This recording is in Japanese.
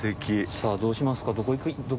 さぁどうしますか？